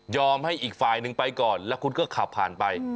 ให้อีกฝ่ายหนึ่งไปก่อนแล้วคุณก็ขับผ่านไป